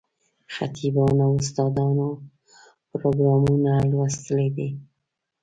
خطیبانو او استادانو پروګرامونه لوستلي دي.